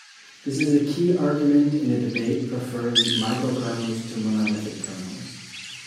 This is a key argument in the debate preferring microkernels to monolithic kernels.